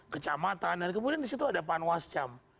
kecamatan kemudian di situ ada panwasjam